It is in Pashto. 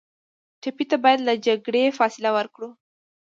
ټپي ته باید له جګړې فاصله ورکړو.